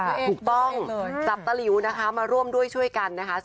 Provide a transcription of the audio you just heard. พี่ต้นจัดกริบคุณผู้ชมต้องจับตะลิวนะคะมาร่วมด้วยช่วยกันนะคะ